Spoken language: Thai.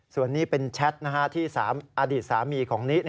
ส่วนนี้เป็นแชทที่อดีตสามีของนิ